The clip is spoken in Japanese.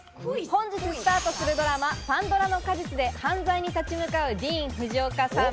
本日スタートするドラマ『パンドラの果実』で犯罪に立ち向かう、ディーン・フジオカさん。